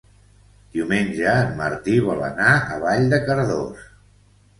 Diumenge en Martí vol anar a Vall de Cardós.